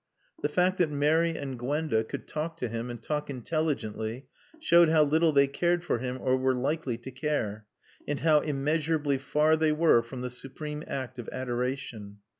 The fact that Mary and Gwenda could talk to him and talk intelligently showed how little they cared for him or were likely to care, and how immeasurably far they were from the supreme act of adoration.